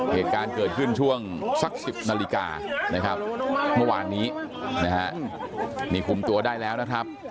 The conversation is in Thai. เหตุการณ์เกิดขึ้นช่วงสัก๑๐นาฬิกาเมื่อวานนี้คุมตัวได้แล้วนะครับ